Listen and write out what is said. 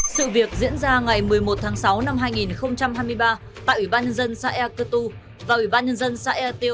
sự việc diễn ra ngày một mươi một tháng sáu năm hai nghìn hai mươi ba tại ủy ban nhân dân xã e cơ tu và ủy ban nhân dân xã e tiêu